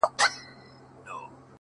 • پیر اغوستې ګودړۍ وه ملنګینه ,